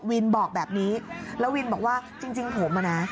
วินบอกแบบนี้แล้ววินบอกว่าจริงผมอ่ะนะ